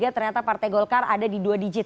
ternyata partai golkar ada di dua digit